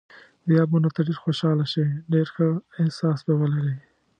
بیا به نو ته ډېر خوشاله شې، ډېر ښه احساس به ولرې.